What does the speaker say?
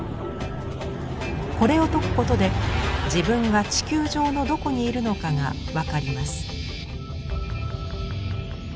これを解くことで自分が地球上のどこにいるのかがわかります。